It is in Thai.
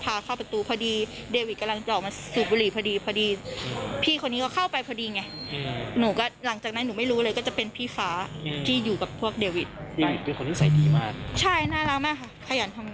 พวกเขาขยันทำงานน่ารักมาก